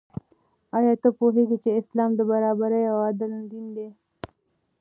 آیا ته پوهېږې چې اسلام د برابرۍ او عدل دین دی؟